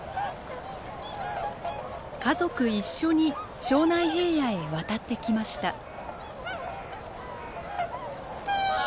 家族一緒に庄内平野へ渡ってきました。